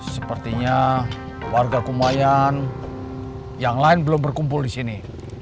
sepertinya warga kumayan yang lain belum berkumpul di sini